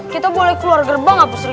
kita boleh keluar gerbang apa sih